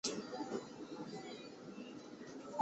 眼睛什么时候会回顾前面已经看到过的单词？